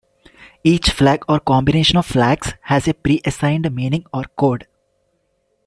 Each flag or combination of flags has a preassigned meaning or "code".